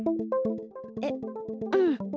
えっうん。